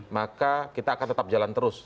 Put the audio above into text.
maka kita akan tetap jalan terus